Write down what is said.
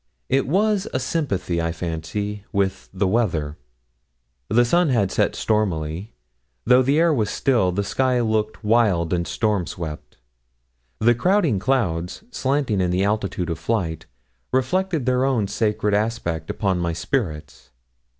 It was a sympathy, I fancy, with the weather. The sun had set stormily. Though the air was still, the sky looked wild and storm swept. The crowding clouds, slanting in the attitude of flight, reflected their own sacred aspect upon my spirits.